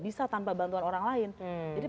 bisa tanpa bantuan orang lain jadi